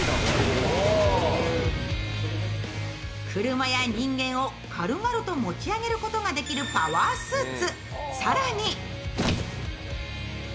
車や人間を軽々と持ち上げることができるパワースーツ。